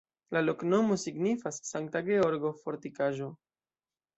La loknomo signifas Sankta Georgo-fortikaĵo.